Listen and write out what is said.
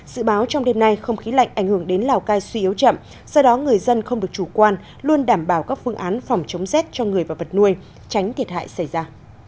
dự báo trong đêm nay không khí lạnh ảnh hưởng đến lào cai suy yếu chậm do đó người dân không được chủ quan luôn đảm bảo các phương án phòng chống rét cho người và vật nuôi tránh thiệt hại xảy ra